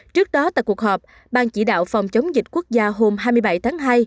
trước đó tại cuộc họp ban chỉ đạo phòng chống dịch quốc gia hôm hai mươi bảy tháng hai